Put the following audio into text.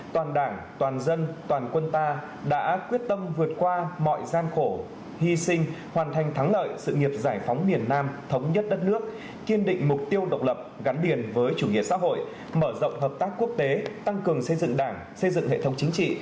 tăng cường xây dựng đảng xây dựng hệ thống chính trị